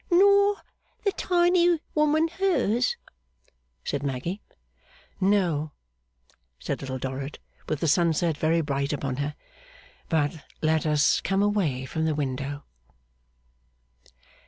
'Nor the tiny woman hers?' said Maggy. 'No,' said Little Dorrit, with the sunset very bright upon her. 'But let us come away from the window.